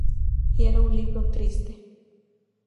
Y era un libro triste.